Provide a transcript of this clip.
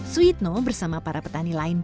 suyitno bersama para petani lain